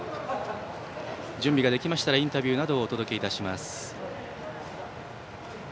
準備ができましたらインタビューなどをお届けします。